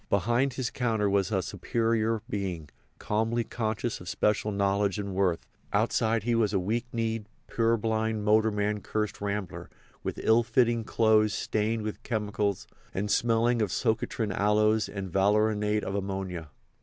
Behind his counter he was a superior being, calmly conscious of special knowledge and worth; outside he was a weak kneed, purblind, motorman cursed rambler, with ill fitting clothes stained with chemicals and smelling of socotrine aloes and valerianate of ammonia.